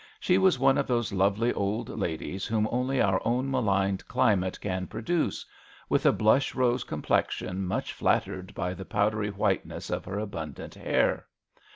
She was one of those lovely old ladies whom only our own maligned climate can produce; with a blush rose complexion much flattered by the powdery whiteness of her abundant hair.